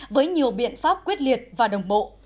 với nhiều biện pháp quyết liệt và đồng bộ